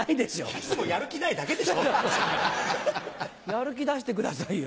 やる気出してくださいよ。